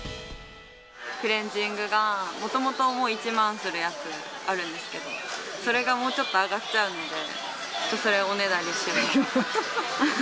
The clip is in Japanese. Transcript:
クレンジングが、もともと、もう１万するやつあるんですけど、それがもうちょっと上がっちゃうので、それをおねだりしています。